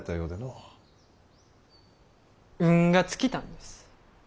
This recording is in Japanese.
運が尽きたんです。